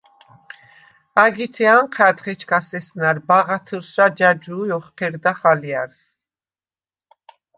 ა̈გითე ანჴა̈დხ, ეჩქას ესნა̈რ ბაღათჷრშა ჯაჯუ̄ჲ ოხჴერდახ ალჲა̈რს.